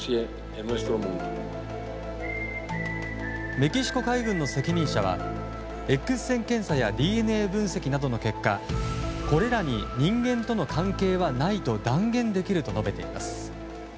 メキシコ海軍の責任者はＸ線検査やＤＮＡ分析などの結果これらに人間との関係はないと断言できると述べています。